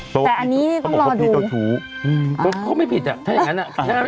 หรอแต่อันนี้ต้องรอดูเขาไม่ผิดอะถ้าอย่างงั้นอะ